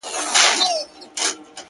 ستا د خــولې خـبري يــې زده كړيدي ـ